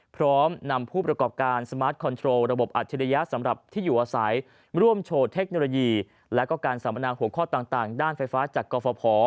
พร้อมนำผู้ประกอบการสมาร์ทคอนโทรลระบบอัจฉริยะสำหรับที่อยู่อาศัยร่วมโชว์เทคโนโลยีและก็การสัมมนาหัวข้อต่างด้านไฟฟ้าจากกรฟภ